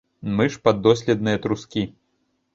Мы ж паддоследныя трускі.